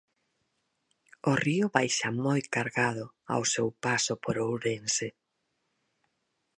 O río baixa moi cargado ao seu paso por Ourense.